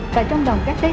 và trong lòng các thế hệ